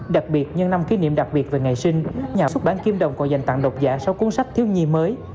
đặc biệt nhân năm kỷ niệm đặc biệt về ngày sinh nhà sư phạm kim đồng còn dành tặng đọc giải sáu cuốn sách thiếu nhi mới